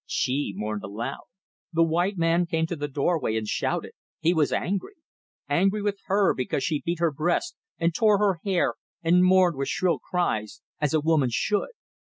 She mourned aloud. The white man came to the doorway and shouted. He was angry. Angry with her because she beat her breast, and tore her hair, and mourned with shrill cries as a woman should.